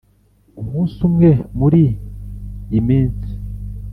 umunsi umwe muriyi minsi,